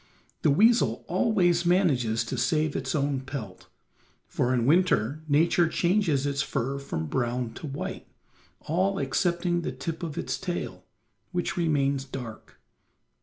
The weasel always manages to save its own pelt, for in winter Nature changes its fur from brown to white, all excepting the tip of its tail, which remains dark.